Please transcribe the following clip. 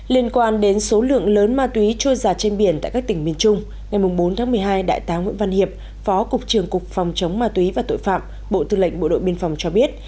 liên quan đến số lượng lớn ma túy trôi giả trên biển tại các tỉnh miền trung ngày bốn tháng một mươi hai đại tá nguyễn văn hiệp phó cục trưởng cục phòng chống ma túy và tội phạm bộ tư lệnh bộ đội biên phòng cho biết